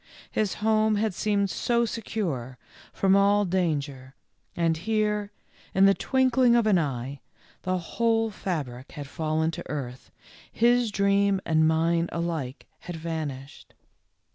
His home had seemed so secure from all danger, and here, in the twinkling of an eye, the whole fabric had fallen to earth, his dream and mine alike had vanished.